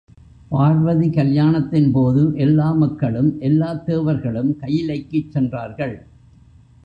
பார்வதி கல்யாணத்தின்போது எல்லா மக்களும், எல்லாத் தேவர்களும் கயிலைக்குச் சென்றார்கள்.